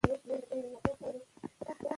که نقاشي وکړو نو رنګونه نه ورکيږي.